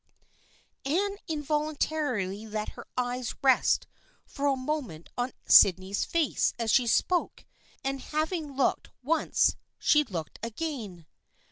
100 THE FRIENDSHIP OF ANNE Anne involuntarily let her eyes rest for a mo ment on Sydney's face as she spoke, and having looked once she looked again.